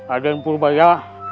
ada yang berbaya